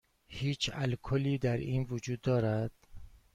هیچ الکلی در این وجود دارد؟